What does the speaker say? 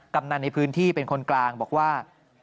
กำนันในพื้นที่เป็นคนกลางบอกว่า